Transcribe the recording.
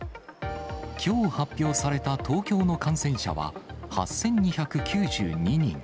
きょう発表された東京の感染者は、８２９２人。